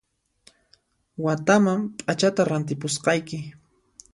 Wataman p'achata rantipusqayki